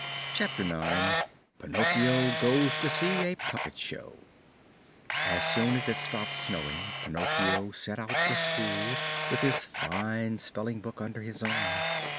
CHAPTER IX PINOCCHIO GOES TO SEE A PUPPET SHOW As soon as it stopped snowing Pinocchio set out for school with his fine spelling book under his arm.